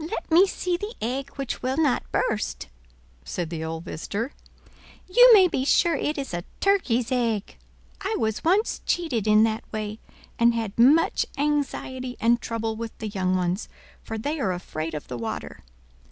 "Let me see the egg which will not burst," said the old visitor. "You may be sure it is a turkey's egg. I was once cheated in that way, and had much anxiety and trouble with the young ones, for they are afraid of the water.